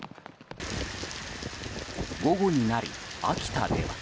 午後になり、秋田では。